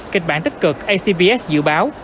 kịch bản tích cực acbs dự báo